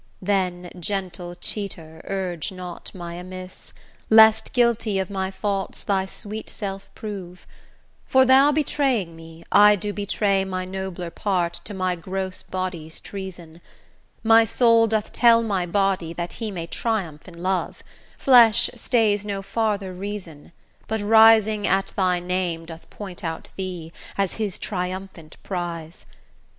Then, gentle cheater, urge not my amiss, Lest guilty of my faults thy sweet self prove: For, thou betraying me, I do betray My nobler part to my gross body's treason; My soul doth tell my body that he may Triumph in love; flesh stays no farther reason, But rising at thy name doth point out thee, As his triumphant prize.